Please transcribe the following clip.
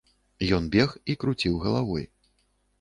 Ён бег і круціў галавой.